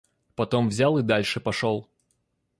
Потом взял и дальше пошёл.